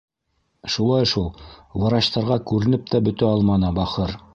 -Шулай шул, врачтарға күренеп тә бөтә алманы, бахыр.